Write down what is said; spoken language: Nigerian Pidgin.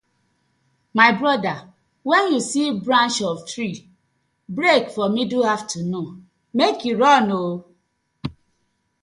My bother wen yu see branch of tree break for middle afternoon mek yu run ooo.